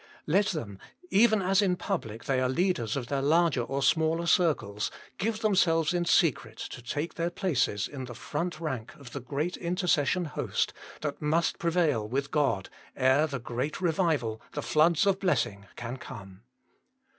Let them, even as in public they are leaders of their larger or smaller circles, give themselves in secret to take their places in the front rank of the great inter cession host, that must prevail with God, ere the great revival, the floods of blessing can come.